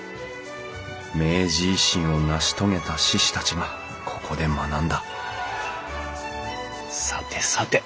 明治維新を成し遂げた志士たちがここで学んださてさて